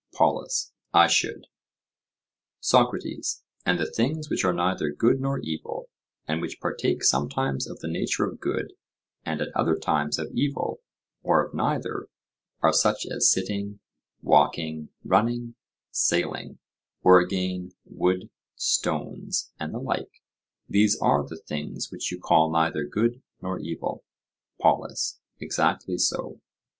POLUS: I should. SOCRATES: And the things which are neither good nor evil, and which partake sometimes of the nature of good and at other times of evil, or of neither, are such as sitting, walking, running, sailing; or, again, wood, stones, and the like:—these are the things which you call neither good nor evil? POLUS: Exactly so.